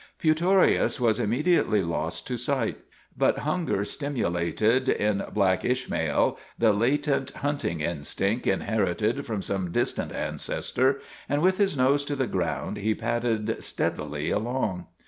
Putorius was immediately lost to sight; but hun ger stimulated in black Ishmael the latent hunting instinct inherited from some distant ancestor, and with his nose to the ground he padded steadily along.